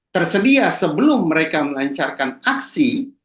tersedia sebelum mereka melancarkan aksi